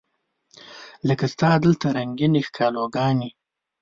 لکه ستا دلته رنګینې ښکالو ګانې